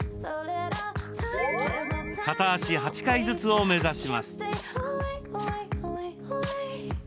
片脚８回ずつを目指します。